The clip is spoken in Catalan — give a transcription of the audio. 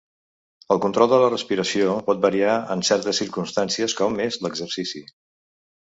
El control de la respiració pot variar en certes circumstàncies com és l'exercici.